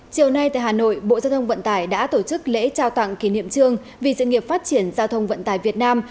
chiều nay tại hà nội bộ giao thông vận tải đã tổ chức lễ trao tặng kỷ niệm trương vì sự nghiệp phát triển giao thông vận tải việt nam